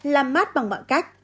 làm mát bằng mọi cách